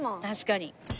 確かに。